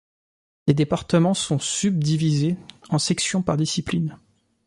Les départements sont subdivisés en sections par discipline.